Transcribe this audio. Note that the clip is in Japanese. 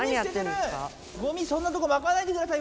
ゴミそんなとこまかないでください